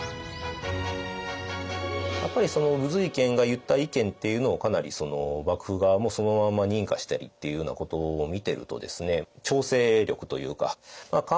やっぱり瑞賢が言った意見っていうのをかなり幕府側もそのまんま認可したりっていうようなことを見てるとですね